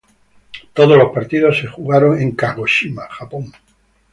Todos los partidos se jugaron en Kagoshima, Japón.